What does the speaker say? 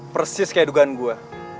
persis kayak dugaan gue